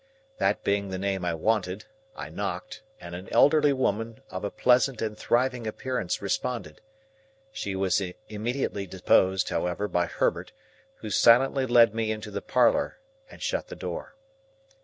That being the name I wanted, I knocked, and an elderly woman of a pleasant and thriving appearance responded. She was immediately deposed, however, by Herbert, who silently led me into the parlour and shut the door.